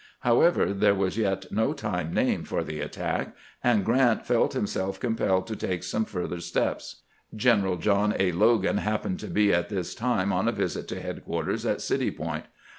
However, there was yet no time named for the attack, and Grant felt himself compelled to take 348 CAMPAIGNING WITH GRANT some furtlier steps. Greneral Jolin A. Logan happened to be at tliis time on a visit to headquarters at City Point.